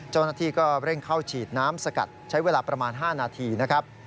เจ้าหน้าที่ก็เร่งเข้าฉีดน้ำสกัดใช้เวลาประมาณ๕นาทีนะครับ